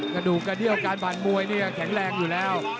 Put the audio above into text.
กระดูกกระเดี้ยวการผ่านมวยนี่แข็งแรงอยู่แล้ว